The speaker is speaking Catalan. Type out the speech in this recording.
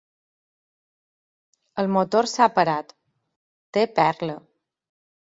El motor s'ha parat; té perla.